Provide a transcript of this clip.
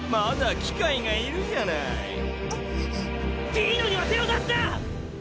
ピーノには手を出すな‼